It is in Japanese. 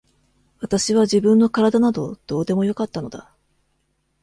私は自分の体などどうでもよかったのだ。